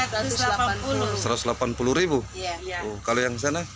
kalau yang sana